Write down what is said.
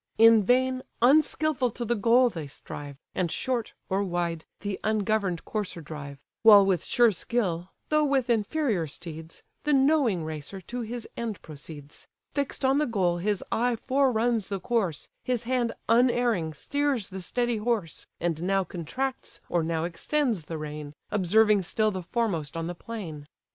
In vain, unskilful to the goal they strive, And short, or wide, the ungovern'd courser drive: While with sure skill, though with inferior steeds, The knowing racer to his end proceeds; Fix'd on the goal his eye foreruns the course, His hand unerring steers the steady horse, And now contracts, or now extends the rein, Observing still the foremost on the plain.